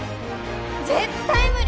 絶対無理！